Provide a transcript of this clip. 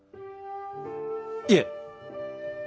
いえ。